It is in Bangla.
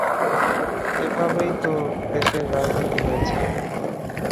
এভাবেই তো এ দেশের রাজনীতি হয়েছে।